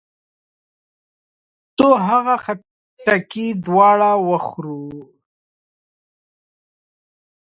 څو هغه خټکي دواړه وخورو.